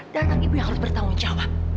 dan anak ibu yang harus bertanggung jawab